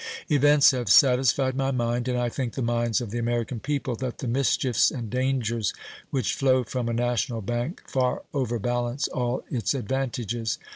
Events have satisfied my mind, and I think the minds of the American people, that the mischiefs and dangers which flow from a national bank far over balance all its advantages.